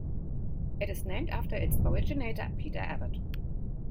It is named after its originator, Peter Abbott.